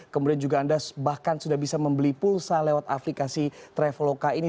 kemudian juga anda bahkan sudah bisa membeli pulsa lewat aplikasi traveloka ini